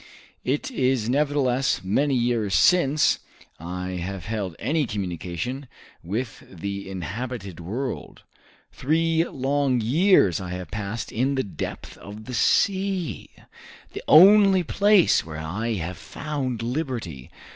"It is nevertheless many years since I have held any communication with the inhabited world; three long years have I passed in the depth of the sea, the only place where I have found liberty!